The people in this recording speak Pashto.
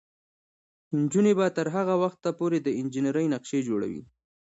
نجونې به تر هغه وخته پورې د انجینرۍ نقشې جوړوي.